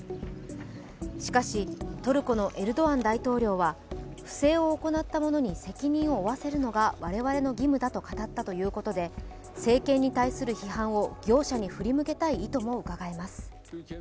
しかし、トルコのエルドアン大統領は不正を行ったものに責任を負わせるのが我々の義務だと語ったということで、政権に対する批判を業者に振り向けたい意図もうかがえます。